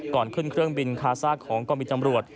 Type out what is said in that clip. ก่อนขึ้นเครื่องบินคาซ่าของกองบินตำรวจ